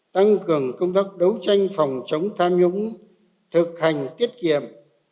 tăng cường công tác đấu tranh phòng chống tham nhũng thực hành tiết kiệm